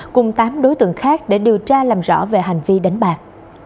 cùng tám đối tượng khác để điều tra làm rõ về hành vi đánh bạc